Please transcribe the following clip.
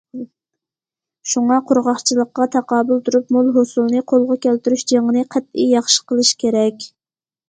شۇڭا، قۇرغاقچىلىققا تاقابىل تۇرۇپ، مول ھوسۇلنى قولغا كەلتۈرۈش جېڭىنى قەتئىي ياخشى قىلىش كېرەك.